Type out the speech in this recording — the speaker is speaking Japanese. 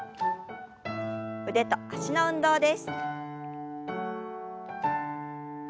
腕と脚の運動です。